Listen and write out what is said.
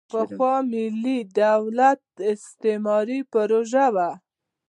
پخوا ملي دولت استعماري پروژه وه.